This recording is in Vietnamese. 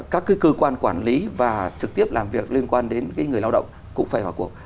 các cơ quan quản lý và trực tiếp làm việc liên quan đến người lao động cũng phải vào cuộc